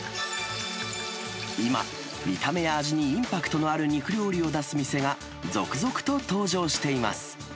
今、見た目や味にインパクトのある肉料理を出す店が、続々と登場しています。